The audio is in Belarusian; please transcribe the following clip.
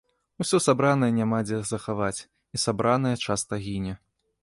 Усё сабранае няма дзе захаваць, і сабранае часта гіне.